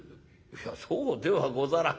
「そうではござらん。